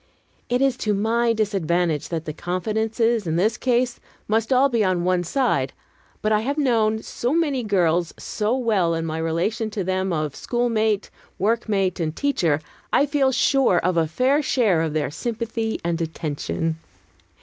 It is to my disadvantage that the confidences, in this case, must all be on one side. But I have known so many girls so well in my relation to them of schoolmate, workmate, and teacher, I feel sure of a fair share of their sympathy and attention.